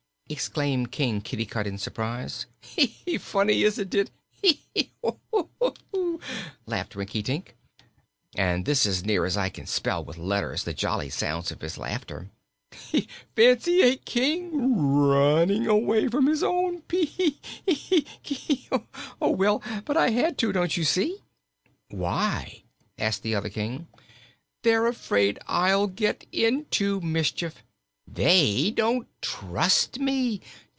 exclaimed King Kitticut in surprise. "Funny, isn't it? Heh, heh, heh woo, hoo!" laughed Rinkitink, and this is as near as I can spell with letters the jolly sounds of his laughter. "Fancy a King running away from his own ple hoo, hoo keek, eek, eek, eek! But I had to, don't you see!" "Why?" asked the other King. "They're afraid I'll get into mischief. They don't trust me.